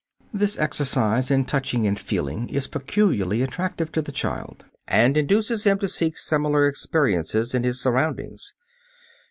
This exercise in touching and feeling is peculiarly attractive to the child, and induces him to seek similar experiences in his surroundings.